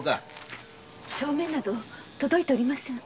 帳面など届いておりません。